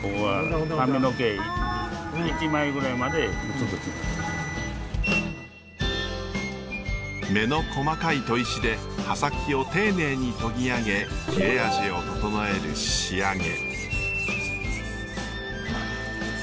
それをこのあと目の細かい砥石で刃先を丁寧に研ぎあげ切れ味を整える仕上げ。